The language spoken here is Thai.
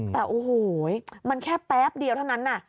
แต่โอ้โหมันแค่แป๊บเดียวเท่านั้น